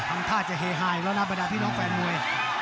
ทำท่าจะเฮฮาอีกแล้วนะบรรดาพี่น้องแฟนมวย